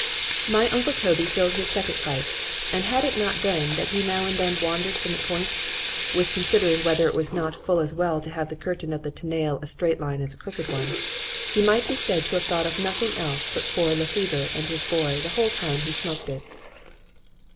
My uncle Toby filled his second pipe; and had it not been, that he now and then wandered from the point, with considering whether it was not full as well to have the curtain of the tennaile a straight line, as a crooked one,—he might be said to have thought of nothing else but poor Le Fever and his boy the whole time he smoaked it.